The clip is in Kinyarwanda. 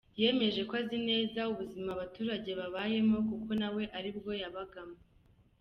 Yemeje ko azi neza ubuzima abaturage babayemo kuko nawe aribwo yabagamo.